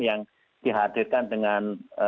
yang dihadirkan dengan